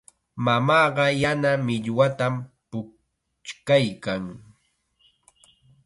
Mamaaqa yana millwatam puchkaykan.